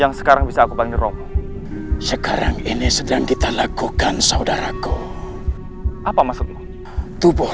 yang sekarang bisa aku panggil romo sekarang ini sedang kita lakukan saudaraku apa maksudnya tubuh